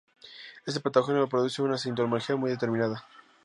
Este patógeno produce una sintomatología muy determinada.